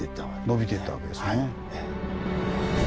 のびていったわけですね。